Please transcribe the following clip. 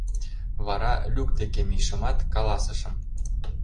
Вара, люк деке мийышымат, каласышым: